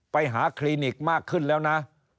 ไปหาคลินิกมากขึ้นแล้วนะ